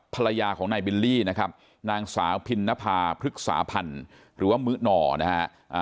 ภรรยาของนายบิลลี่นะครับนางสาวพินนภาพฤกษาพันธ์หรือว่ามื้อหน่อนะฮะ